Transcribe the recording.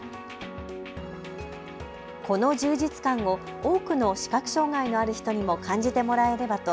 この充実感を多くの視覚障害のある人にも感じてもらえればと、